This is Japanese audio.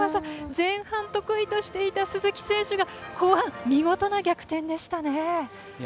前半得意としていた鈴木選手が後半、見事な逆転でしたね。